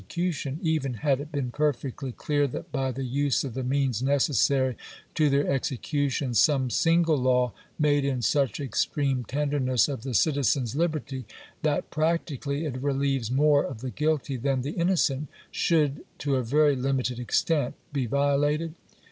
cution, even had it been perfectly clear that by the use of the means necessary to their execution some single law, made in such extreme tenderness of the citizen's liberty, that practically it relieves more of the guilty than the in nocent, should, to a very limited extent, be violated